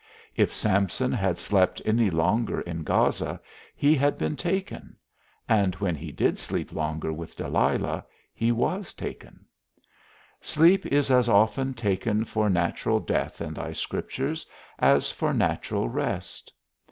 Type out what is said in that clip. If Samson had slept any longer in Gaza, he had been taken; and when he did sleep longer with Delilah, he was taken. Sleep is as often taken for natural death in thy Scriptures, as for natural rest.